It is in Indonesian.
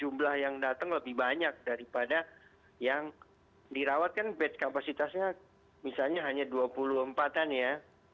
karena jumlah yang datang lebih banyak daripada yang dirawat kan bed kapasitasnya misalnya hanya dua puluh empat an ya